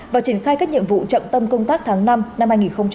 và triển khai các nhiệm vụ trọng tâm công tác tháng năm năm hai nghìn hai mươi